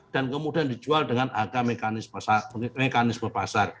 dan kemudian dijual dengan angka mekanisme pasar